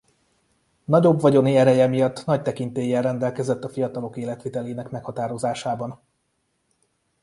Nagyobb vagyoni ereje miatt nagy tekintéllyel rendelkezett a fiatalok életvitelének meghatározásában.